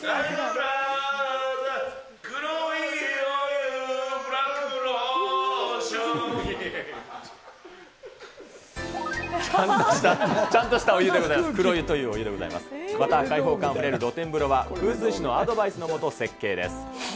また開放感あふれる露天風呂は風水師のアドバイスのもと、設計です。